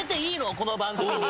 この番組に。